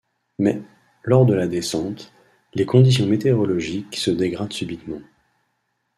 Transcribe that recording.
Mais, lors de la descente, les conditions météorologiques se dégradent subitement.